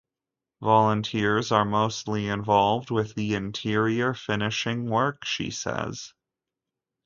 "Volunteers are mostly involved with the interior finishing work," she says.